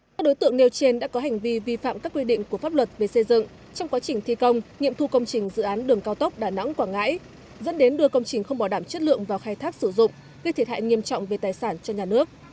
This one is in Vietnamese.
các đối tượng nêu trên đã có hành vi vi phạm các quy định của pháp luật về xây dựng trong quá trình thi công nghiệm thu công trình dự án đường cao tốc đà nẵng quảng ngãi dẫn đến đưa công trình không bỏ đảm chất lượng vào khai thác sử dụng gây thiệt hại nghiêm trọng về tài sản cho nhà nước